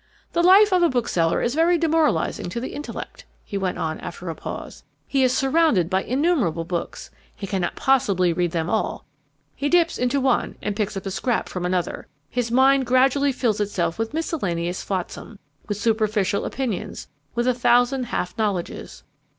"The life of a bookseller is very demoralizing to the intellect," he went on after a pause. "He is surrounded by innumerable books; he cannot possibly read them all; he dips into one and picks up a scrap from another. His mind gradually fills itself with miscellaneous flotsam, with superficial opinions, with a thousand half knowledges.